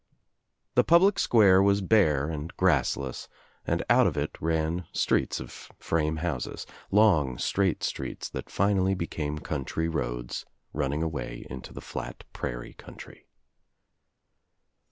The public square was bare and grassless, and out of it ran streets of frame houses, long straight streets that finally be came country roads running away into the flat prairie country.